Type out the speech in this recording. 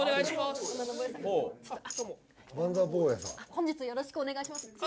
本日よろしくお願いします